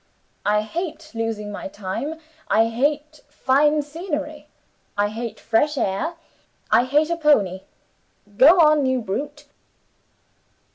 I hate losing my time; I hate fine scenery; I hate fresh air; I hate a pony. Go on, you brute!